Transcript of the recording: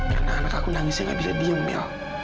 karena anak aku nangisnya gak bisa diem mil